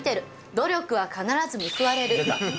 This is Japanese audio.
努力は必ず報われる！